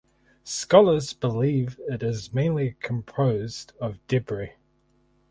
Scholars believe it is mainly composed of debris.